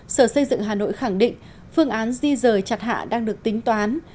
sở xây dựng hà nội khẳng định phương án di rời chặt hạ đang được tính toán